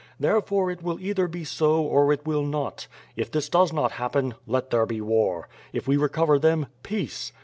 Therefore, it will either be so or it will not. If this does not happen, let there be war. If we recover them, peace.